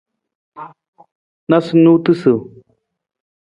Noosunoosutu.